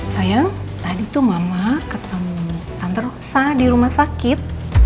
sayang tadi tuh mama ketemu antar saya di rumah sakit